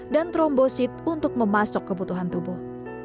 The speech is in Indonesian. dan trombosit untuk memasuk kebutuhan tubuh